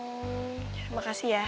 terima kasih ya